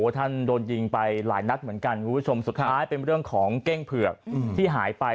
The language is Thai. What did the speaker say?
ท่านโดนยิงไปหลายนัดเหมือนกันคุณผู้ชมสุดท้ายเป็นเรื่องของเก้งเผือกที่หายไป